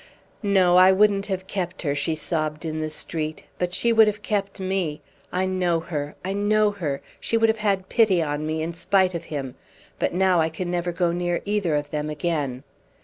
"No, I wouldn't have kept her," she sobbed in the street; "but she would have kept me! I know her! I know her! She would have had pity on me, in spite of him; but now I can never go near either of them again!"